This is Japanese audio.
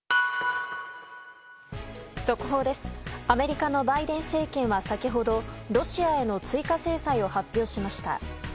アメリカのバイデン政権は先ほどロシアへの追加制裁を発表しました。